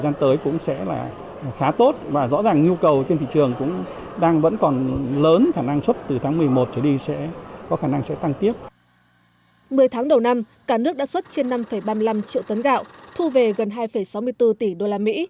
my tháng đầu năm cả nước đã xuất trên năm ba mươi năm triệu tấn gạo thu về gần hai sáu mươi bốn tỷ usd